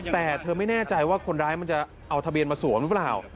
แต่เธอไม่แน่ใจว่าคนร้ายมันจะเอาทะเบียนมาสวมหรือเปล่า